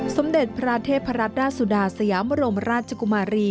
สมเด็จพระเทพรัตนราชสุดาสยามรมราชกุมารี